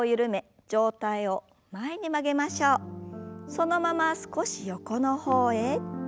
そのまま少し横の方へ。